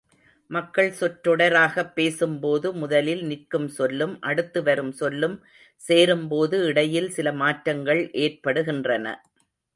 மக்கள் சொற்றொடராகப் பேசும்போது, முதலில் நிற்கும் சொல்லும், அடுத்து வரும் சொல்லும் சேரும்போது இடையில் சில மாற்றங்கள் ஏற்படுகின்றன.